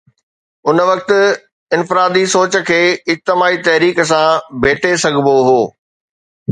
ان وقت انفرادي سوچ کي اجتماعي تحريڪ سان ڀيٽي سگهبو هو.